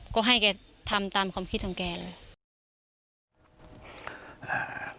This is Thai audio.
ก็ให้แกทำตามความคิดของแกเลย